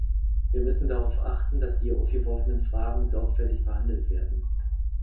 Wir müssen darauf achten, dass die hier aufgeworfenen Fragen sorgfältig behandelt werden.